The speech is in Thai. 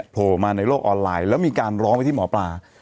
โผล่มาในโลกออนไลน์แล้วมีการร้องไปที่หมอปลา